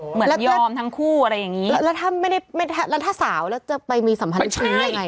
เหมือนยอมทั้งคู่อะไรอย่างนี้แล้วถ้าสาวจะไปมีสัมภัณฑ์คืออย่างไร